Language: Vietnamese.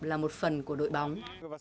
là một phần của đội bóng